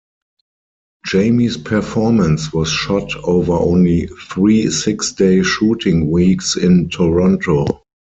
Jamie's performance was shot over only three six-day shooting weeks in Toronto.